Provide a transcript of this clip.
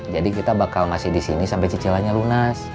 jadi kita bakal masih di sini sampai cicilannya lunas